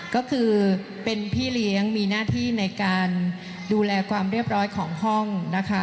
ก็คือเป็นพี่เลี้ยงมีหน้าที่ในการดูแลความเรียบร้อยของห้องนะคะ